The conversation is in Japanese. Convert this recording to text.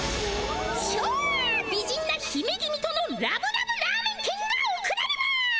ちょう美人なひめ君とのラブラブラーメンけんがおくられます！